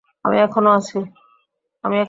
আমি এখনো আছি!